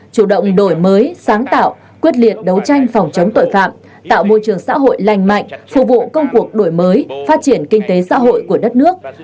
chủ động đổi mới sáng tạo quyết liệt đấu tranh phòng chống tội phạm tạo môi trường xã hội lành mạnh phục vụ công cuộc đổi mới phát triển kinh tế xã hội của đất nước